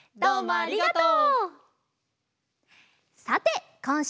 ありがとう。